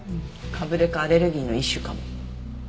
かぶれかアレルギーの一種かも。